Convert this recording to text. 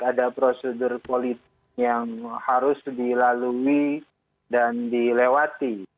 ada prosedur politik yang harus dilalui dan dilewati